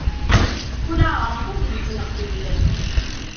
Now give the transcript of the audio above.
Kul aɛerqub yettneqqil.